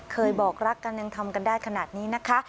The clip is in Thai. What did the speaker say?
เคยบอกรักกันยังทำกันได้ขนาดนี้นะคะ